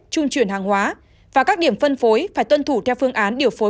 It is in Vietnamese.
trung chuyển hàng hóa và các điểm phân phối phải tuân thủ theo phương án điều phối